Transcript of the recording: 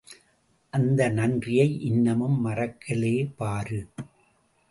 அந்த நன்றியை இன்னமும் மறக்கலே, பாரு...!